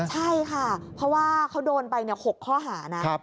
ใช่ค่ะเพราะว่าเขาโดนไป๖ข้อหานะ